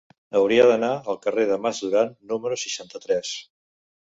Hauria d'anar al carrer del Mas Duran número seixanta-tres.